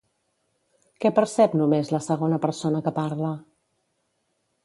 Què percep només la segona persona que parla?